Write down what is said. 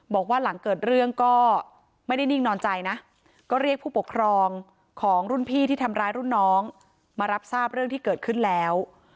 บอกว่าหลังเกิดเรื่องก็ไม่ได้นิ่งนอนใจนะก็เรียกผู้ปกครองของรุ่นพี่ที่ทำร้ายรุ่นน้องมารับทราบเรื่องที่เกิดขึ้นแล้ว